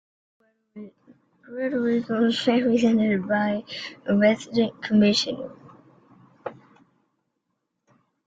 Puerto Rico is represented by a resident commissioner.